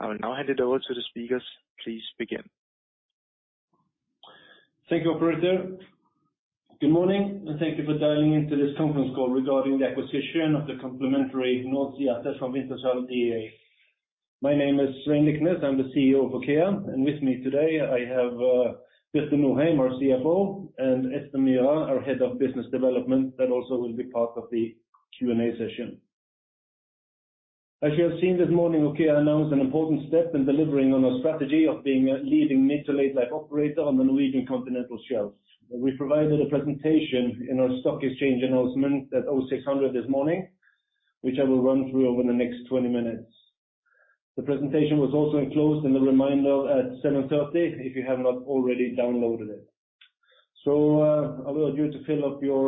I will now hand it over to the speakers. Please begin. Thank you, operator. Good morning, and thank you for dialing into this conference call regarding the acquisition of the complementary North Sea asset from Wintershall Dea. My name is Svein Liknes, I'm the CEO of OKEA. With me today, I have Birte Norheim, our CFO, and Espen Myhra, our Head of Business Development, that also will be part of the Q&A session. As you have seen this morning, OKEA announced an important step in delivering on our strategy of being a leading mid to late life operator on the Norwegian continental shelf. We provided a presentation in our stock exchange announcement at 6:00 A.M. this morning, which I will run through over the next 20 minutes. The presentation was also enclosed in the reminder at 7:30 A.M., if you have not already downloaded it. I will allow you to fill up your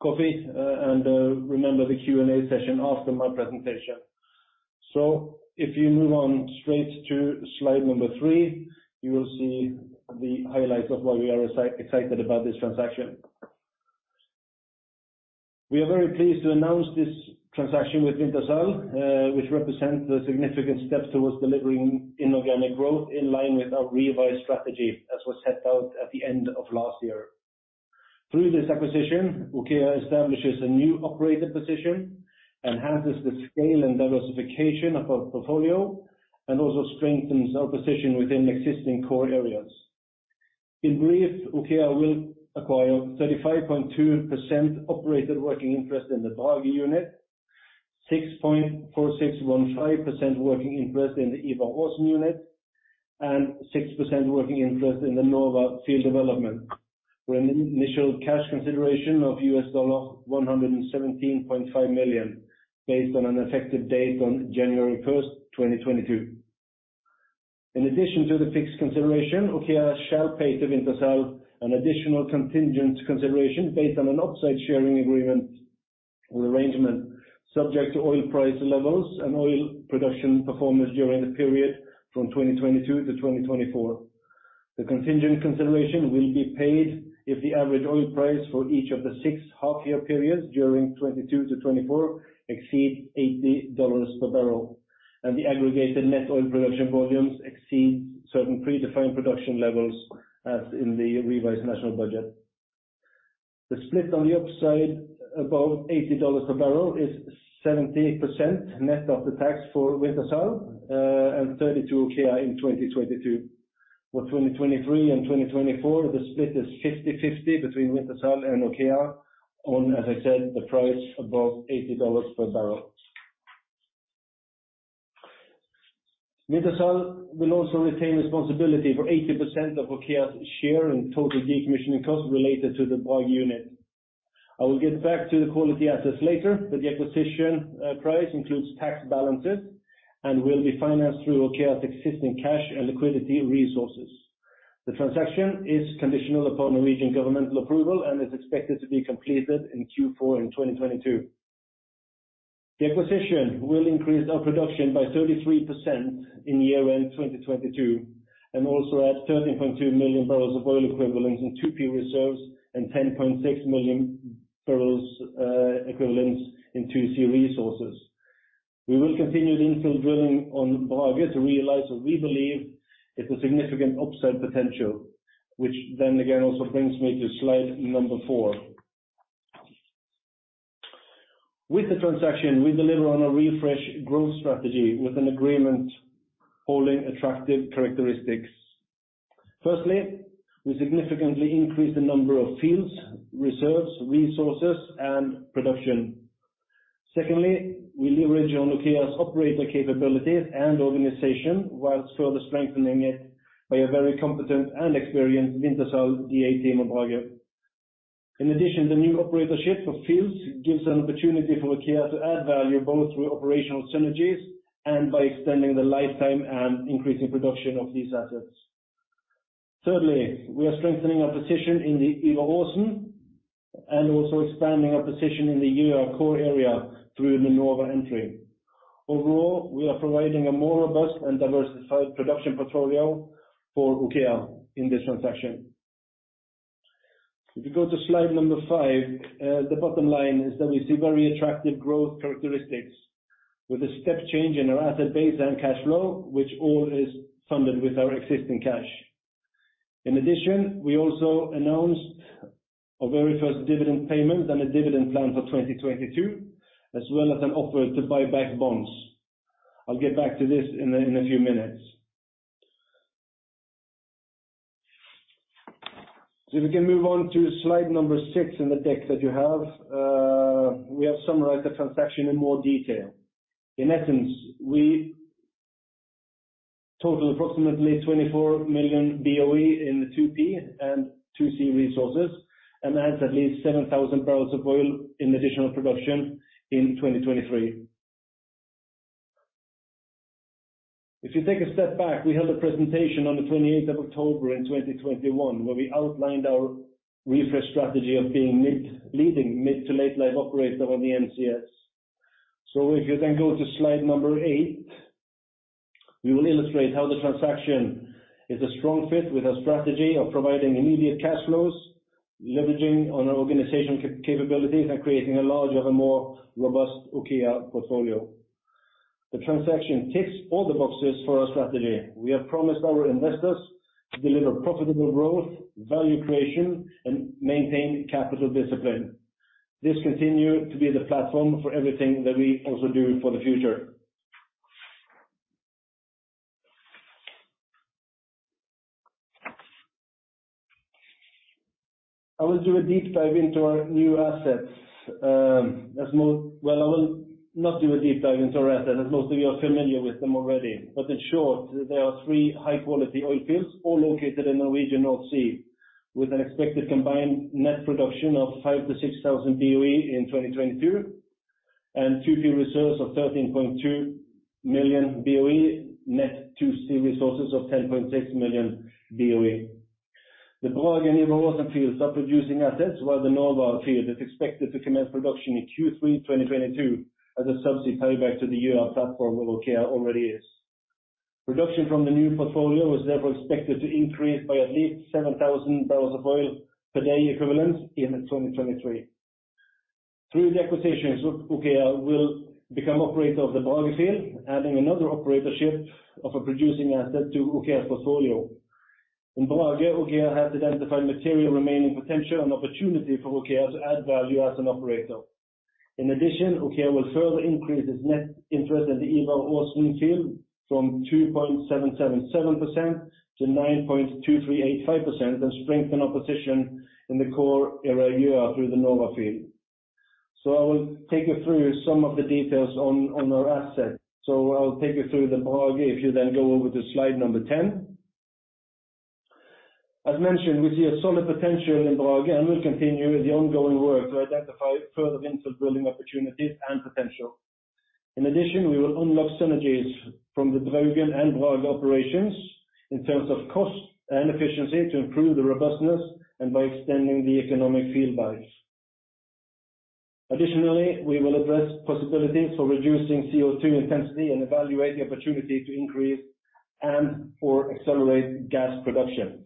coffee and remember the Q&A session after my presentation. If you move on straight to slide number three, you will see the highlights of why we are excited about this transaction. We are very pleased to announce this transaction with Wintershall Dea, which represents the significant steps towards delivering inorganic growth in line with our revised strategy, as was set out at the end of last year. Through this acquisition, OKEA establishes a new operator position, enhances the scale and diversification of our portfolio, and also strengthens our position within existing core areas. In brief, OKEA will acquire 35.2% operated working interest in the Brage unit, 6.4615% working interest in the Ivar Aasen unit, and 6% working interest in the Nova field development, with an initial cash consideration of $117.5 million, based on an effective date on January 1st, 2022. In addition to the fixed consideration, OKEA shall pay to Wintershall Dea an additional contingent consideration based on an upside sharing agreement or arrangement subject to oil price levels and oil production performance during the period from 2022 to 2024. The contingent consideration will be paid if the average oil price for each of the six half year periods during 2022-2024 exceed $80 per barrel, and the aggregated net oil production volumes exceed certain predefined production levels as in the Revised National Budget. The split on the upside, above $80 a barrel, is 70% net of the tax for Wintershall and 30% OKEA in 2022. For 2023 and 2024, the split is 50/50 between Wintershall and OKEA on, as I said, the price above $80 per barrel. Wintershall will also retain responsibility for 80% of OKEA's share in total decommissioning costs related to the Brage unit. I will get back to the quality assets later, but the acquisition price includes tax balances and will be financed through OKEA's existing cash and liquidity resources. The transaction is conditional upon Norwegian governmental approval and is expected to be completed in Q4 in 2022. The acquisition will increase our production by 33% in year-end 2022, and also add 13.2 million barrels of oil equivalent in 2P reserves and 10.6 million barrels equivalents in 2C resources. We will continue the infill drilling on Brage to realize what we believe is a significant upside potential, which then again also brings me to slide number four. With the transaction, we deliver on a refresh growth strategy with an agreement holding attractive characteristics. Firstly, we significantly increase the number of fields, reserves, resources and production. Secondly, we leverage on OKEA's operator capabilities and organization while further strengthening it by a very competent and experienced Wintershall Dea team on Brage. In addition, the new operatorship of fields gives an opportunity for OKEA to add value both through operational synergies and by extending the lifetime and increasing production of these assets. Thirdly, we are strengthening our position in the Ivar Aasen and also expanding our position in the our core area through the Nova entry. Overall, we are providing a more robust and diversified production portfolio for OKEA in this transaction. If you go to slide number five, the bottom line is that we see very attractive growth characteristics with a step change in our asset base and cash flow, which all is funded with our existing cash. In addition, we also announced our very first dividend payment and a dividend plan for 2022, as well as an offer to buy back bonds. I'll get back to this in a few minutes. If we can move on to slide six in the deck that you have, we have summarized the transaction in more detail. In essence, we total approximately 24 million BOE in the 2P and 2C resources and adds at least 7,000 barrels of oil in additional production in 2023. If you take a step back, we held a presentation on the 28th of October in 2021, where we outlined our refresh strategy of being leading mid-to-late life operator on the NCS. If you then go to slide eight, we will illustrate how the transaction is a strong fit with our strategy of providing immediate cash flows, leveraging on our organization capabilities and creating a larger, more robust OKEA portfolio. The transaction ticks all the boxes for our strategy. We have promised our investors to deliver profitable growth, value creation, and maintain capital discipline. This continue to be the platform for everything that we also do for the future. I will do a deep dive into our new assets. Well, I will not do a deep dive into our assets, as most of you are familiar with them already. In short, there are three high-quality oil fields, all located in Norwegian North Sea, with an expected combined net production of 5,000-6,000 BOE in 2022, and 2P field reserves of 13.2 million BOE, net 2C resources of 10.6 million BOE. The Brage and Ivar Aasen fields are producing assets, while the Nova field is expected to commence production in Q3 2022 as a subsea tieback to the Ivar platform where OKEA already is. Production from the new portfolio is therefore expected to increase by at least 7,000 barrels of oil per day equivalent in 2023. Through the acquisitions, OKEA will become operator of the Brage field, adding another operatorship of a producing asset to OKEA's portfolio. In Brage, OKEA has identified material remaining potential and opportunity for OKEA to add value as an operator. In addition, OKEA will further increase its net interest in the Ivar Aasen field from 2.777% to 9.2385%, and strengthen our position in the core area through the Nova field. I will take you through some of the details on our asset. I'll take you through the Brage, if you then go over to slide number 10. As mentioned, we see a solid potential in Brage, and we'll continue with the ongoing work to identify further infill drilling opportunities and potential. In addition, we will unlock synergies from the Draugen and Brage operations in terms of cost and efficiency to improve the robustness and by extending the economic field life. Additionally, we will address possibilities for reducing CO2 intensity and evaluate the opportunity to increase and/or accelerate gas production.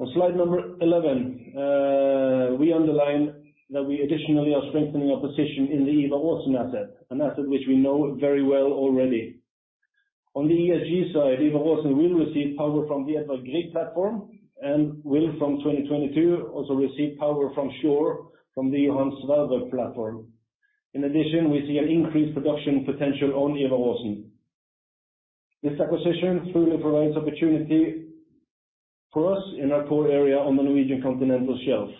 On slide number 11, we underline that we additionally are strengthening our position in the Ivar Aasen asset, an asset which we know very well already. On the ESG side, Ivar Aasen will receive power from the Edvard Grieg platform and will, from 2022, also receive power from shore from the Johan Sverdrup platform. In addition, we see an increased production potential on Ivar Aasen. This acquisition fully provides opportunity for us in our core area on the Norwegian Continental Shelf.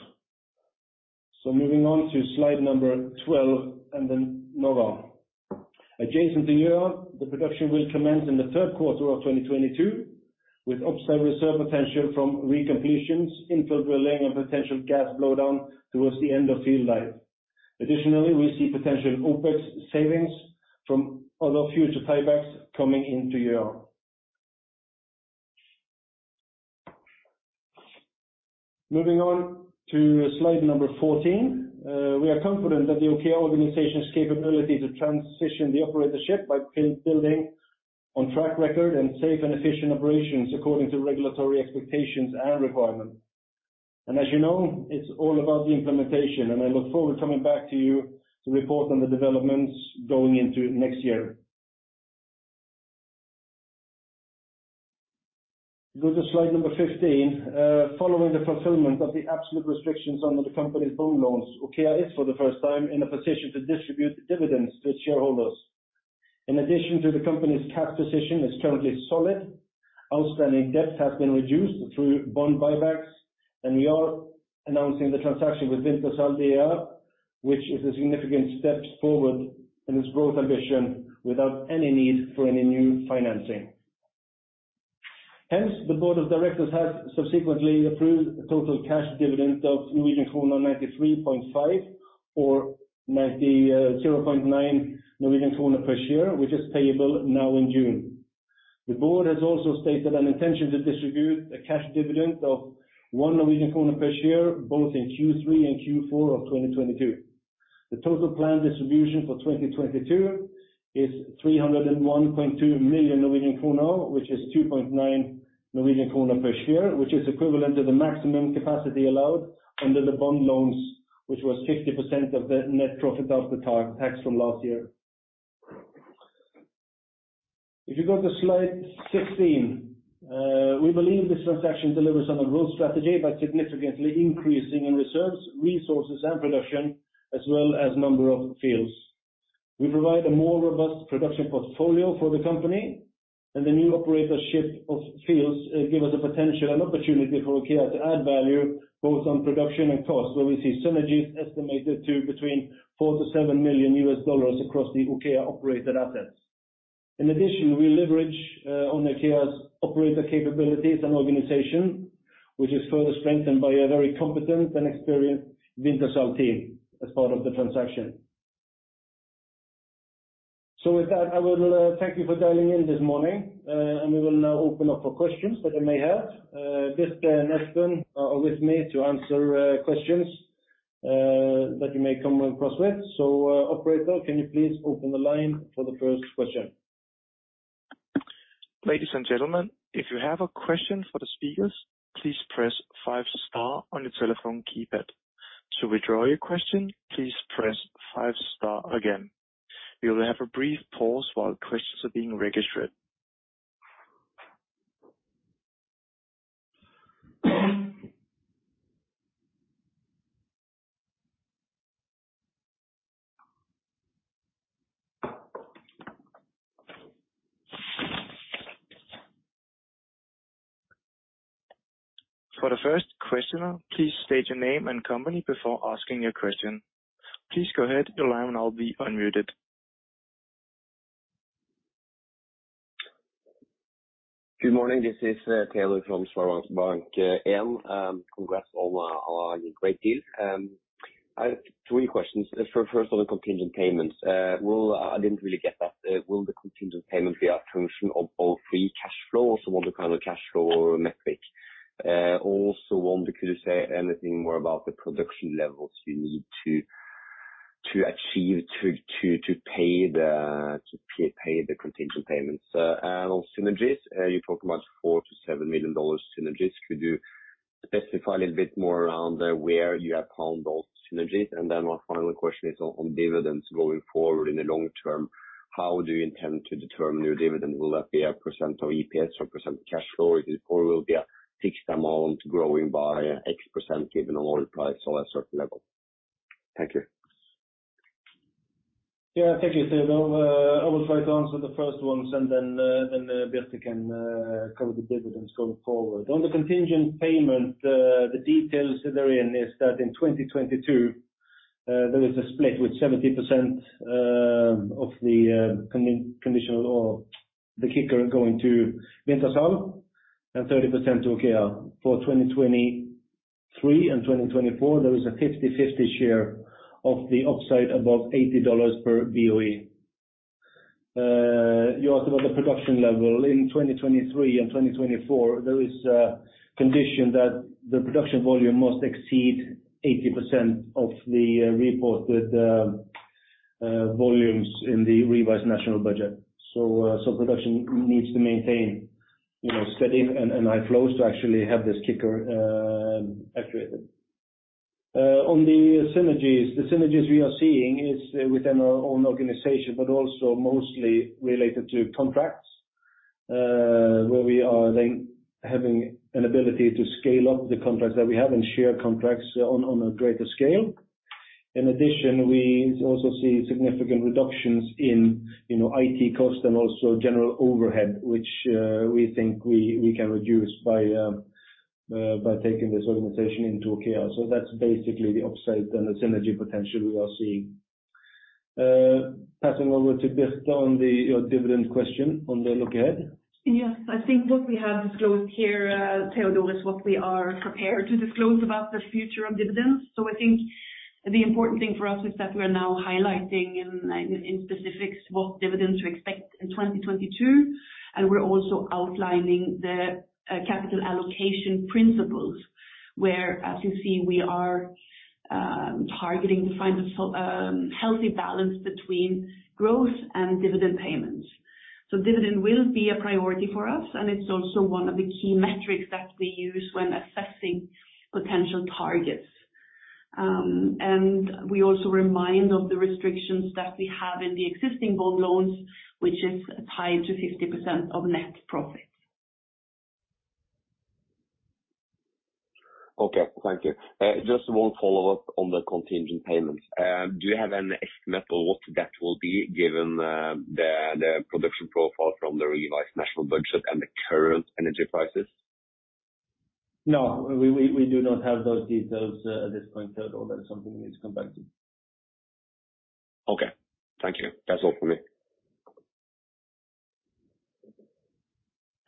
Moving on to slide number 12, and then Nova. Adjacent to Gjøa, the production will commence in the third quarter of 2022 with upside reserve potential from recompletions, infill drilling and potential gas blowdown towards the end of field life. Additionally, we see potential OpEx savings from other future tie-backs coming into Gjøa. Moving on to slide number 14, we are confident that the OKEA organization's capability to transition the operatorship by building on track record and safe and efficient operations according to regulatory expectations and requirements. As you know, it's all about the implementation, and I look forward to coming back to you to report on the developments going into next year. Go to slide number 15. Following the fulfillment of the absolute restrictions under the company's bond loans, OKEA is, for the first time, in a position to distribute dividends to its shareholders. In addition, the company's cash position is currently solid, outstanding debt has been reduced through bond buybacks, and we are announcing the transaction with Wintershall Dea, which is a significant step forward in its growth ambition without any need for any new financing. Hence, the board of directors has subsequently approved a total cash dividend of Norwegian krone 93.5, or 0.9 Norwegian krone per share, which is payable now in June. The board has also stated an intention to distribute a cash dividend of 1 Norwegian kroner per share, both in Q3 and Q4 of 2022. The total planned distribution for 2022 is 301.2 million Norwegian krone, which is 2.9 Norwegian krone per share, which is equivalent to the maximum capacity allowed under the bond loans, which was 50% of the net profit after tax from last year. If you go to slide 16, we believe this transaction delivers on our growth strategy by significantly increasing in reserves, resources and production, as well as number of fields. We provide a more robust production portfolio for the company, and the new operatorship of fields give us a potential and opportunity for OKEA to add value both on production and cost, where we see synergies estimated to between $4 million-$7 million across the OKEA-operated assets. In addition, we leverage on OKEA's operator capabilities and organization, which is further strengthened by a very competent and experienced Wintershall team as part of the transaction. With that, I will thank you for dialing in this morning, and we will now open up for questions that you may have. Birte and Espen are with me to answer questions that you may come across with. Operator, can you please open the line for the first question? Ladies and gentlemen, if you have a question for the speakers, please press five star on your telephone keypad. To withdraw your question, please press five star again. We will have a brief pause while questions are being registered. For the first questioner, please state your name and company before asking your question. Please go ahead. Your line will now be unmuted. Good morning. This is Teodor from Sveriges Bank. Congrats on a great deal. I have three questions. First on the contingent payments. I didn't really get that. Will the contingent payment be a function of free cash flow? So what kind of cash flow metric? I also wonder, could you say anything more about the production levels you need to achieve to pay the contingent payments? And on synergies, you talk about $4 million-$7 million synergies. Could you specify a little bit more around where you have found those synergies? And then my final question is on dividends going forward in the long term. How do you intend to determine your dividend? Will that be a % of EPS or % cash flow? Is it? Will it be a fixed amount growing by X% given oil price on a certain level? Thank you. Yeah. Thank you, Teodor. I will try to answer the first ones, and then Birte can cover the dividends going forward. On the contingent payment, the details therein is that in 2022, there is a split with 70% of the conditional or the kicker going to Wintershall Dea and 30% to Aker. For 2023 and 2024, there is a 50-50 share of the upside above $80 per BOE. You asked about the production level. In 2023 and 2024, there is a condition that the production volume must exceed 80% of the reported volumes in the Revised National Budget. Production needs to maintain, you know, steady and high flows to actually have this kicker activated. On the synergies, the synergies we are seeing is within our own organization, but also mostly related to contracts, where we are then having an ability to scale up the contracts that we have and share contracts on a greater scale. In addition, we also see significant reductions in, you know, IT cost and also general overhead, which we think we can reduce by taking this organization into Aker. That's basically the upside and the synergy potential we are seeing. Passing over to Birte on the dividend question on the look ahead. Yeah. I think what we have disclosed here, Teodor, is what we are prepared to disclose about the future of dividends. I think the important thing for us is that we are now highlighting in specifics what dividends we expect in 2022, and we're also outlining the capital allocation principles, where, as you see, we are targeting to find a healthy balance between growth and dividend payments. Dividend will be a priority for us, and it's also one of the key metrics that we use when assessing potential targets. We also remind of the restrictions that we have in the existing bond loans, which is tied to 50% of net profits. Okay. Thank you. Just one follow-up on the contingent payments. Do you have an estimate of what that will be given the production profile from the Revised National Budget and the current energy prices? No, we do not have those details at this point, Teodor. That's something we need to come back to. Okay. Thank you. That's all for me.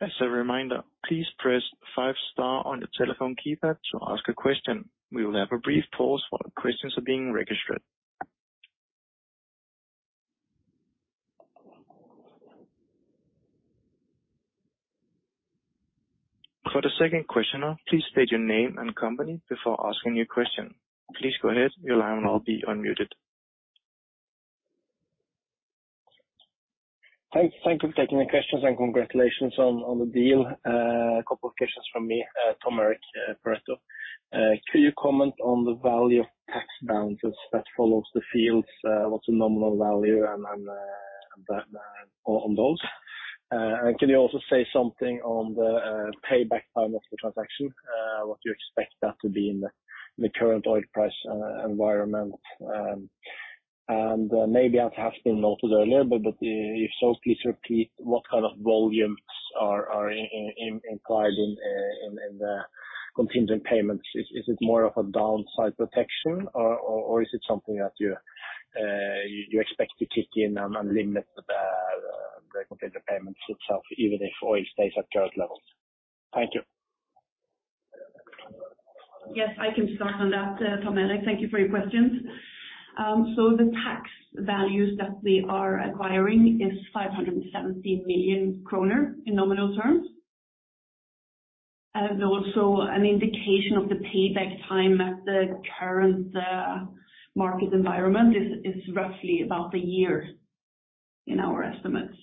As a reminder, please press five star on your telephone keypad to ask a question. We will have a brief pause while questions are being registered. For the second questioner, please state your name and company before asking your question. Please go ahead. Your line will now be unmuted. Thank you for taking the questions, and congratulations on the deal. A couple of questions from me, Tom Erik from Pareto. Could you comment on the value of tax balances that follows the fields? What's the nominal value and then on those? And can you also say something on the payback time of the transaction, what you expect that to be in the current oil price environment? Maybe it has been noted earlier, but if so, please repeat what kind of volumes are implied in the contingent payments. Is it more of a downside protection or is it something that you expect to kick in and limit the contingent payments itself even if oil stays at current levels? Thank you. Yes, I can start on that, Tom Erik. Thank you for your questions. The tax values that we are acquiring is 517 million kroner in nominal terms. Also an indication of the payback time at the current market environment is roughly about a year in our estimates.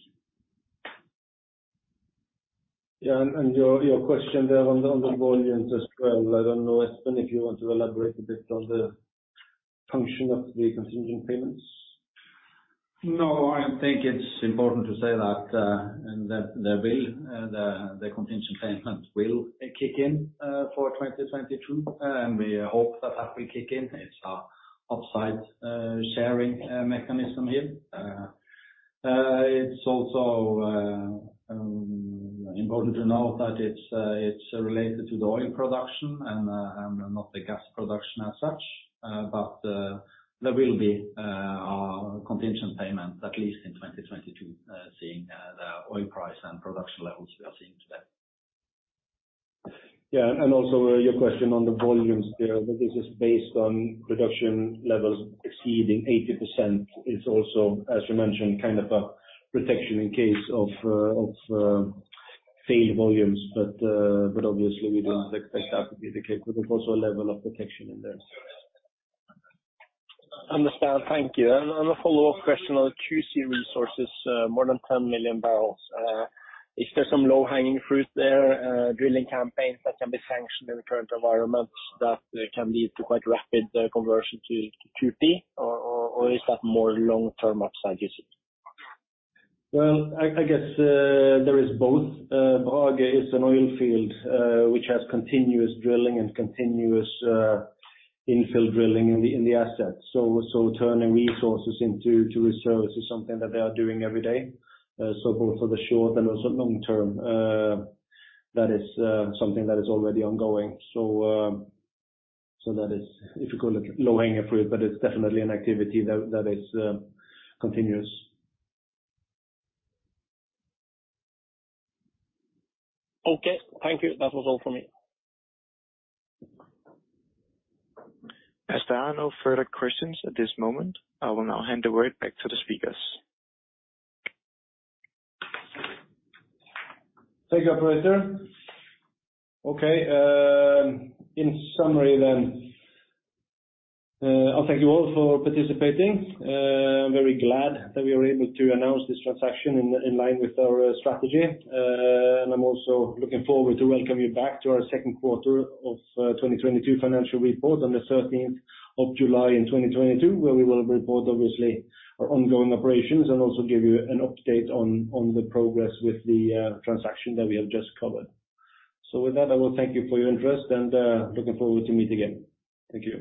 Yeah. Your question there on the volumes as well. I don't know, Espen, if you want to elaborate a bit on the function of the contingent payments. No, I think it's important to say that the contingent payments will kick in for 2022. We hope that will kick in. It's our upside sharing mechanism here. It's also important to note that it's related to the oil production and not the gas production as such. There will be contingent payments at least in 2022 seeing the oil price and production levels we are seeing today. Yeah. Also your question on the volumes there, but this is based on production levels exceeding 80%. It's also, as you mentioned, kind of a protection in case of failed volumes. Obviously we don't expect that to be the case. There's also a level of protection in there. Understand. Thank you. On a follow-up question on the 2C resources, more than 10 million barrels. Is there some low-hanging fruit there, drilling campaigns that can be sanctioned in the current environment that can lead to quite rapid conversion to 2P? Or is that more long-term upside, you think? Well, I guess there is both. Brage is an oil field which has continuous drilling and continuous infill drilling in the asset. Turning resources into reserves is something that they are doing every day. Both for the short and also long-term, that is something that is already ongoing. That is, if you call it low-hanging fruit, but it's definitely an activity that is continuous. Okay, thank you. That was all for me. As there are no further questions at this moment, I will now hand the word back to the speakers. Thank you, operator. Okay, in summary then, I thank you all for participating. I'm very glad that we are able to announce this transaction in line with our strategy. I'm also looking forward to welcome you back to our second quarter of 2022 financial report on the 13th of July in 2022, where we will report obviously our ongoing operations and also give you an update on the progress with the transaction that we have just covered. With that, I will thank you for your interest and looking forward to meet again. Thank you.